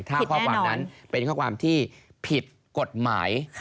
ถ้าข้อความนั้นเป็นข้อความที่ผิดกฎหมาย